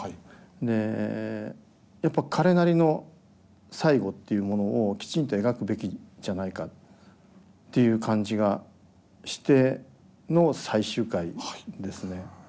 でやっぱ彼なりの最期っていうものをきちんと描くべきじゃないかっていう感じがしての最終回ですね。